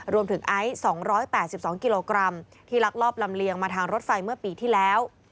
ไอซ์๒๘๒กิโลกรัมที่ลักลอบลำเลียงมาทางรถไฟเมื่อปีที่แล้ว